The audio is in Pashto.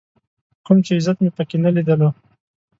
کوم چې عزت مې په کې نه ليدلو.